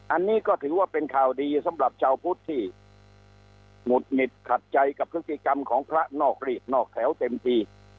อันนี้ก็ถือว่าเป็นข่าวดีสำหรับชาวพุทธที่หงุดหงิดขัดใจกับพฤติกรรมของพระนอกรีดนอกแถวเต็มที